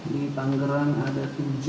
di tanggerang ada tujuh